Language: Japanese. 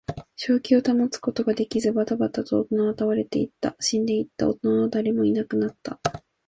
正気を保つことができず、ばたばたと大人は倒れていった。死んでいった。大人は誰もいなくなった。